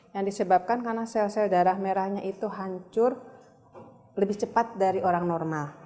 yang disebabkan karena sel sel darah merahnya itu hancur lebih cepat dari orang normal